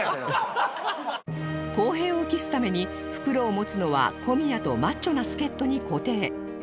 公平を期すために袋を持つのは小宮とマッチョな助っ人に固定